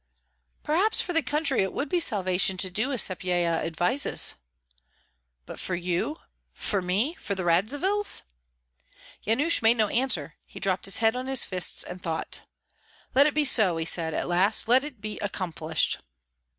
"Perhaps for the country it would be salvation to do as Sapyeha advises." "But for you, for me, for the Radzivills?" Yanush made no answer; he dropped his head on his fists and thought. "Let it be so!" said he, at last; "let it be accomplished!"